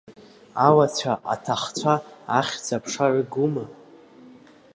Ауацәа, аҭахцәа, ахьӡ-аԥша рыгума?